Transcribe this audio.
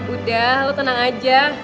udah lo tenang aja